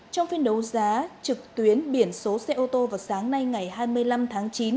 trong phiên đấu giá trực tuyến biển số xe ô tô vào sáng nay ngày hai mươi năm tháng chín